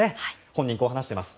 本人、こう話しています。